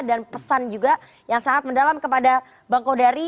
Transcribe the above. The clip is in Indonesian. pesan juga yang sangat mendalam kepada bang kodari